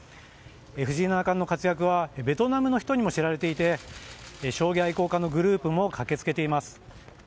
藤井七冠の活躍はベトナムの人にも知られていて将棋愛好家のグループも駆けつけています。